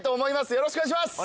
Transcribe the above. よろしくお願いします。